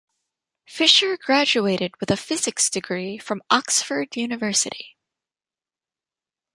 Fischer graduated with a physics degree from Oxford University.